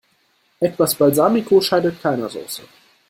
Etwas Balsamico schadet keiner Soße.